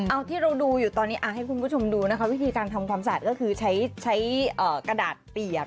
เอาที่เราดูอยู่ตอนนี้ให้คุณผู้ชมดูนะคะวิธีการทำความสะอาดก็คือใช้กระดาษเปียก